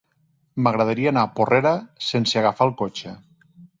M'agradaria anar a Porrera sense agafar el cotxe.